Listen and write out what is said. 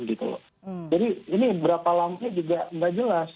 jadi ini berapa lamanya juga enggak jelas